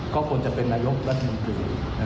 ก็ควรจะเป็นนายกรัฐมนตรี